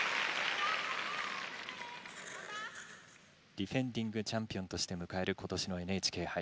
ディフェンディングチャンピオンとして迎える今年のＮＨＫ杯。